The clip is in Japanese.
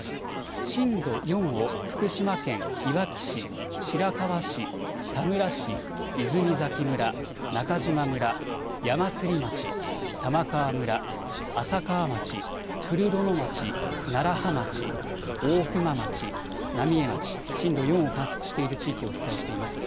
震度４を福島県いわき市、白河市、田村市、泉崎村、中島村、矢祭町、玉川村、浅川町、古殿町、楢葉町、大熊町、浪江町、震度４を観測している地域をお伝えしています。